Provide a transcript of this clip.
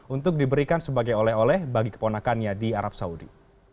untuk diberikan sebagai oleh oleh bagi keponakannya di arab saudi